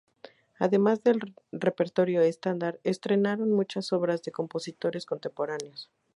Además del repertorio estándar, estrenaron muchas obras de compositores contemporáneos.